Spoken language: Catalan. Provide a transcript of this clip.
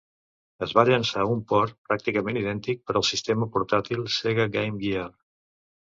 Es va llençar un port pràcticament idèntic per al sistema portàtil Sega Game Gear.